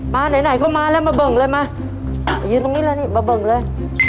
มาไหนไหนก็มาแล้วมาเบิ่งเลยมายืนตรงนี้เลยนี่มาเบิ่งเลย